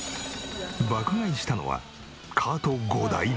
爆買いしたのはカート５台分。